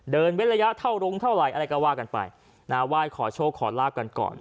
เว้นระยะเท่ารุงเท่าไหร่อะไรก็ว่ากันไปนะไหว้ขอโชคขอลาบกันก่อน